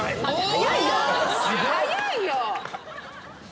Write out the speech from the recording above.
早いよ。